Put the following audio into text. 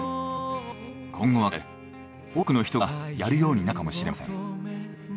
今後はこれ多くの人がやるようになるかもしれません。